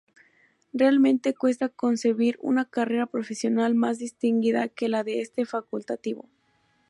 Realmente cuesta concebir una carrera profesional más distinguida que la de este facultativo.